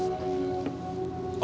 あ。